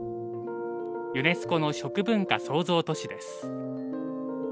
ユネスコの食文化創造都市です。